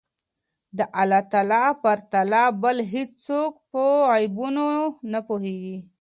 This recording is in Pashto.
د الله تعالی پرته بل هيڅوک په غيبو نه پوهيږي